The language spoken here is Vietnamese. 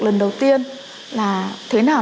lần đầu tiên là thế nào